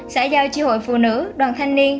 xã giao tri hội phụ nữ đoàn thanh niên